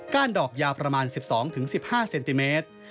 ้านดอกยาวประมาณ๑๒๑๕เซนติเมตร